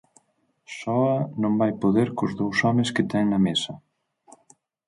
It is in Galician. Soa, non vai poder cos dous homes que ten na mesa.